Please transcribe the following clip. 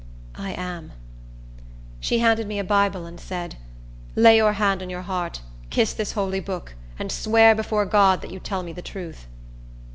"I am." She handed me a Bible, and said, "Lay your hand on your heart, kiss this holy book, and swear before God that you tell me the truth."